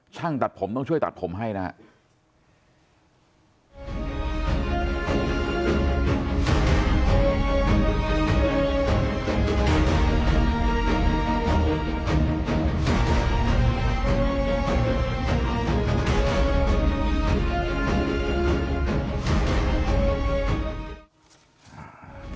ช่างตัดผมต้องช่วยตัดผมให้นะครับ